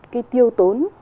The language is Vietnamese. cái tiêu tốn